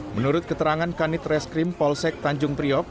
menurut keterangan kanit reskrim polsek tanjung priok